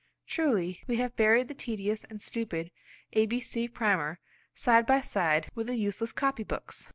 Truly, we have buried the tedious and stupid A B C primer side by side with the useless copy books!